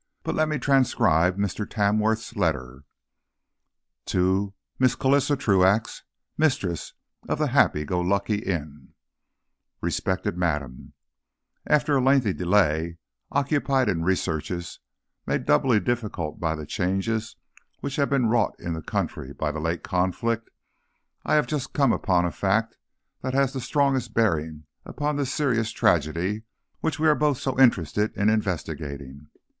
But let me transcribe Mr. Tamworth's letter: To Mrs. Clarissa Truax, Mistress of the Happy go lucky Inn: RESPECTED MADAM: After a lengthy delay, occupied in researches, made doubly difficult by the changes which have been wrought in the country by the late conflict, I have just come upon a fact that has the strongest bearing upon the serious tragedy which we are both so interested in investigating.